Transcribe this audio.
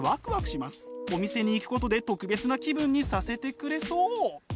お店に行くことで特別な気分にさせてくれそう！